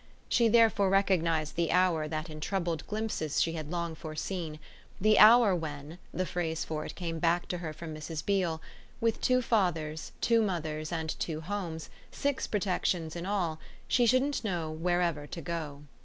She therefore recognised the hour that in troubled glimpses she had long foreseen, the hour when the phrase for it came back to her from Mrs. Beale with two fathers, two mothers and two homes, six protections in all, she shouldn't know "wherever" to go.